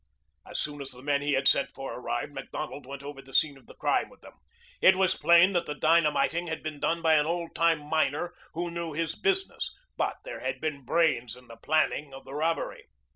As soon as the men he had sent for arrived, Macdonald went over the scene of the crime with them. It was plain that the dynamiting had been done by an old time miner who knew his business, but there had been brains in the planning of the robbery.